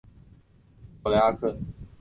索雷阿克人口变化图示